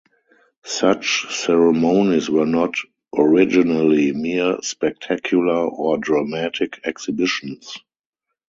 Such ceremonies were not originally mere spectacular or dramatic exhibitions.